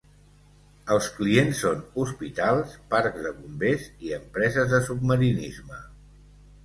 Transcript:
Els clients són hospitals, parcs de bombers i empreses de submarinisme.